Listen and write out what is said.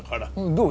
どう？